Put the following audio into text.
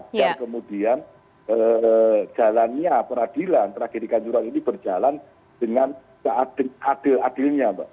akan kemudian jalannya peradilan tragedi kaguruan ini berjalan dengan adil adilnya mbak